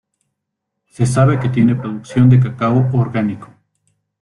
Se sabe que tiene producción de cacao orgánico.